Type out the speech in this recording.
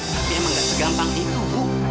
tapi emang gak segampang itu bu